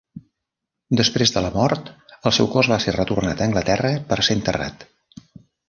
Després de la mort, el seu cos va ser retornat a Anglaterra per ser enterrat.